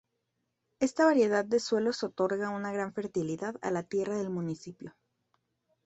Esta variedad de suelos otorga una gran fertilidad a la tierra del municipio.